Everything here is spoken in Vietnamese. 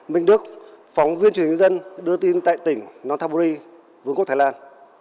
minh đức phóng viên truyền hình dân đưa tin tại tỉnh nonthaburi vương quốc thái lan